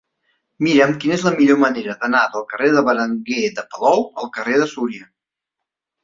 Mira'm quina és la millor manera d'anar del carrer de Berenguer de Palou al carrer de Súria.